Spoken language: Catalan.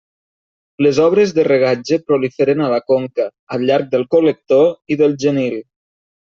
Les obres de regatge proliferen a la conca, al llarg del col·lector i del Genil.